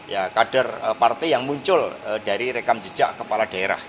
ya kader partai yang muncul dari rekam jejak kepala daerah